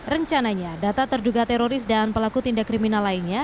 rencananya data terduga teroris dan pelaku tindak kriminal lainnya